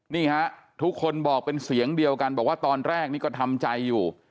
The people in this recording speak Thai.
นี่ฮะทุกคนบอกเป็นเสียงเดียวกันบอกว่าตอนแรกนี่ก็ทำใจอยู่